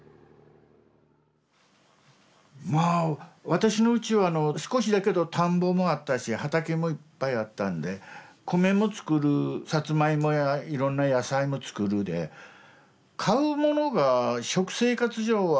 私のうちは少しだけど田んぼもあったし畑もいっぱいあったんで米も作るサツマイモやいろんな野菜も作るで買うものが食生活上はあんまりなくて。